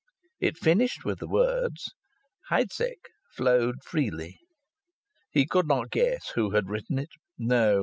It finished with the words: "Heidsieck flowed freely." He could not guess who had written it. No!